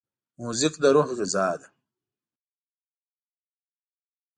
موزیک د روح غذا ده.